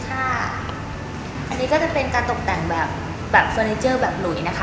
อันนี้ก็จะเป็นการตกแต่งแบบเฟอร์นิเจอร์แบบหลุยนะคะ